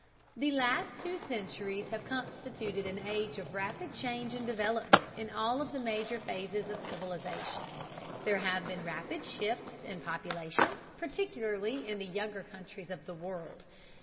The last two centuries have constituted an age of rapid change and development in all of the major phases of civilization. There have been rapid shifts in population, particularly in the younger countries of the world.